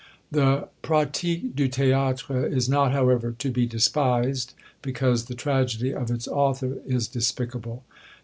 The Pratique du Théâtre is not, however, to be despised, because the Tragedy of its author is despicable.